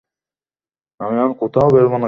তিনি খিলাফত আন্দোলনে অংশ নিয়েছেন।